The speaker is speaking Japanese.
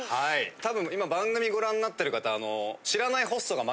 たぶん今番組ご覧になってる方。